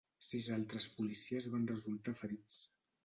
Sis altres policies van resultar ferits.